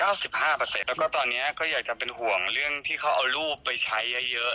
แล้วก็ตอนนี้ก็อยากจะเป็นห่วงเรื่องที่เขาเอารูปไปใช้เยอะ